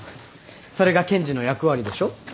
それが検事の役割でしょ？